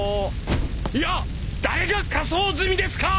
いや誰が火葬済みですかー！